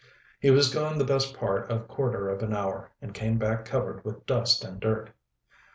He was gone the best part of quarter of an hour, and came back covered with dust and dirt.